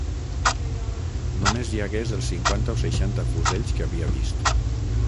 ...només hi hagués els cinquanta o seixanta fusells que havia vist